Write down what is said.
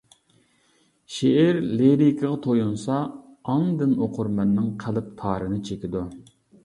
شېئىر لىرىكىغا تويۇنسا، ئاندىن ئوقۇرمەننىڭ قەلب تارىنى چېكىدۇ.